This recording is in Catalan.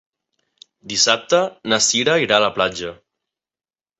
Dissabte na Cira irà a la platja.